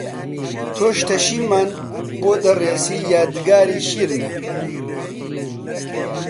تۆش تەشیمان بۆ دەڕێسی یادگاری شیرنە